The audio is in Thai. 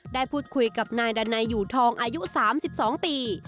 ได้พูดคุยกับนายดันัยอยู่ทองอายุ๓๒ปี